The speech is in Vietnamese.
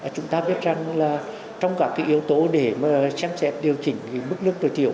chúng ta biết rằng là trong các yếu tố để xem xét điều chỉnh mức lượng tối thiểu